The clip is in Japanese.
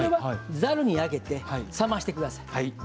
ざるにあけて冷ましてください。